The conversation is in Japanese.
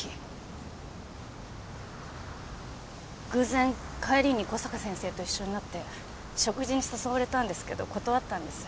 偶然帰りに小坂先生と一緒になって食事に誘われたんですけど断ったんです。